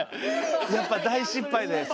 やっぱ大失敗でそう。